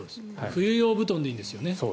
冬用布団でいいんですよね。